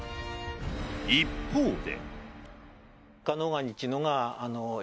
一方で。